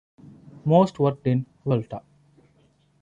Most worked in "Vuelta".